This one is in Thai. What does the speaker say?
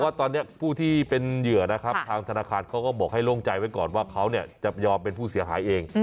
ว่าตอนนี้ผู้ที่เป็นเหยื่อนะครับทางธนาคารเขาก็บอกให้โล่งใจไว้ก่อนว่าเขาจะยอมเป็นผู้เสียหายเอง